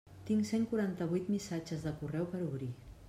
Tinc cent quaranta-vuit missatges de correu per obrir.